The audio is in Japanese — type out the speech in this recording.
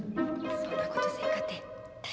そんなことせんかて大丈夫や。